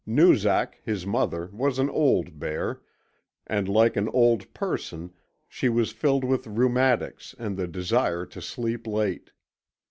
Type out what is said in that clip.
Noozak, his mother, was an old bear, and like an old person she was filled with rheumatics and the desire to sleep late.